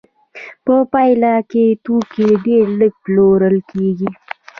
په پایله کې توکي ډېر لږ پلورل کېږي